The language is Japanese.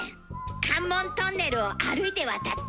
関門トンネルを歩いて渡った。